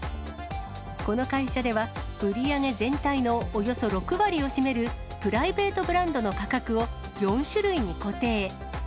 この会社では、売り上げ全体のおよそ６割を占める、プライベートブランドの価格を４種類に固定。